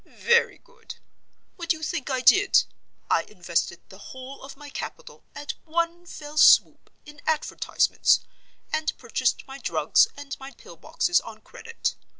Very good. What do you think I did? I invested the whole of my capital, at one fell swoop, in advertisements, and purchased my drugs and my pill boxes on credit.